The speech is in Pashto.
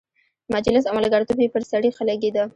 مجلس او ملګرتوب یې پر سړي ښه لګېده.